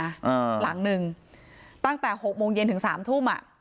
อ่าหลังหนึ่งตั้งแต่หกโมงเย็นถึงสามทุ่มอ่ะ